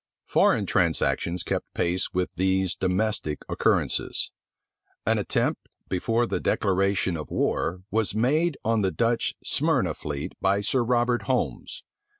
Foreign transactions kept pace with these domestic occurrences. An attempt, before the declaration of war, was made on the Dutch Smyrna fleet by Sir Robert Holmes.